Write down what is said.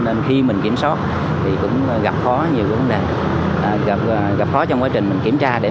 nên khi mình kiểm soát thì cũng gặp khó nhiều vấn đề gặp khó trong quá trình mình kiểm tra để